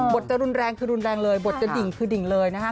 จะรุนแรงคือรุนแรงเลยบทจะดิ่งคือดิ่งเลยนะคะ